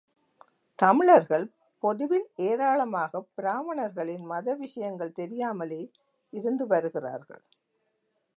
தமிழர்கள், பொதுவில் ஏராளமாகப் பிராமணர்களின் மத விஷயங்கள் தெரியாமலே இருந்து வருகிறார்கள்.